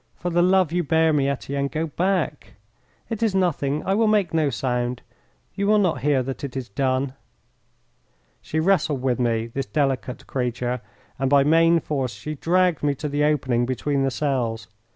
For the love you bear me, Etienne, go back. It is nothing. I will make no sound. You will not hear that it is done." She wrestled with me, this delicate creature, and by main force she dragged me to the opening between the cells.